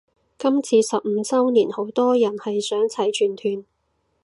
今次十五周年好多人係想齊全團